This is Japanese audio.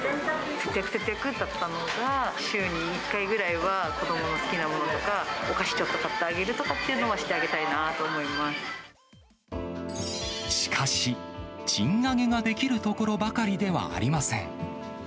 節約、節約だったのが、週に１回ぐらいは、子どもの好きなものとか、お菓子ちょっと買ってあげるとかっていうのはしてあげたいなと思しかし、賃上げができるところばかりではありません。